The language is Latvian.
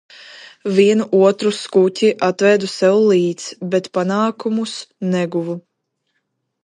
"Vienu otru skuķi atvedu sev līdz, bet "panākumus" neguvu."